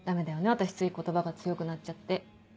私つい言葉が強くなっちゃって。